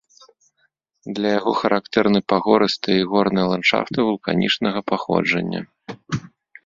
Для яго характэрны пагорыстыя і горныя ландшафты вулканічнага паходжання.